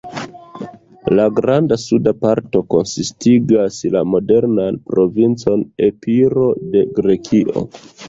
La granda suda parto konsistigas la modernan provincon Epiro de Grekio.